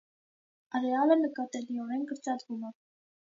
Արեալը նկատելիորեն կրճատվում է։